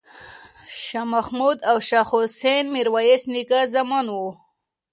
شاه محمود او شاه حسین د میرویس نیکه زامن وو.